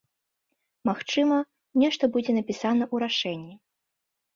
Магчыма, нешта будзе напісана ў рашэнні.